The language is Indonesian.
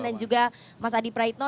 dan juga mas adi praitno